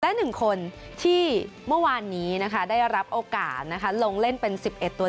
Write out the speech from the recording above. และ๑คนที่เมื่อวานนี้นะคะได้รับโอกาสลงเล่นเป็น๑๑ตัว